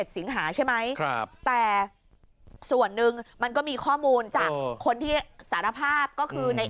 สิงหาใช่ไหมแต่ส่วนหนึ่งมันก็มีข้อมูลจากคนที่สารภาพก็คือใน